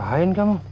sarah balik kamar